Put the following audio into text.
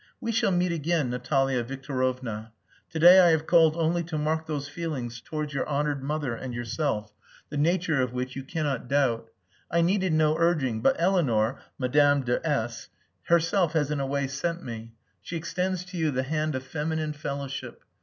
"We shall meet again, Natalia Victorovna. To day I have called only to mark those feelings towards your honoured mother and yourself, the nature of which you cannot doubt. I needed no urging, but Eleanor Madame de S herself has in a way sent me. She extends to you the hand of feminine fellowship.